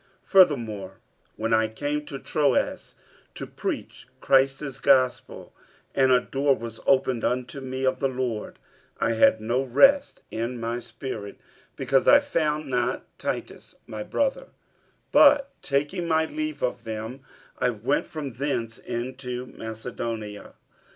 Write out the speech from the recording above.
47:002:012 Furthermore, when I came to Troas to preach Christ's gospel, and a door was opened unto me of the Lord, 47:002:013 I had no rest in my spirit, because I found not Titus my brother: but taking my leave of them, I went from thence into Macedonia.